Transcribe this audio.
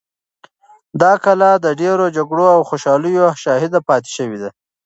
دا کلا د ډېرو جګړو او خوشحالیو شاهده پاتې شوې ده.